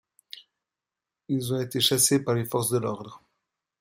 Ils en ont été chassés par les forces de l'ordre.